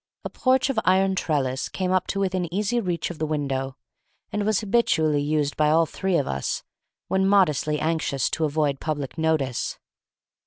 A porch of iron trellis came up to within easy reach of the window, and was habitually used by all three of us, when modestly anxious to avoid public notice.